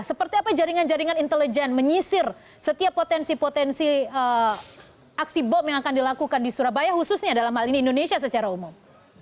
seperti apa jaringan jaringan intelijen menyisir setiap potensi potensi aksi bom yang akan dilakukan di surabaya khususnya dalam hal ini indonesia secara umum